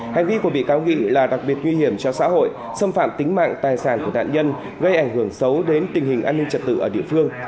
hành vi của bị cáo nghị là đặc biệt nguy hiểm cho xã hội xâm phạm tính mạng tài sản của nạn nhân gây ảnh hưởng xấu đến tình hình an ninh trật tự ở địa phương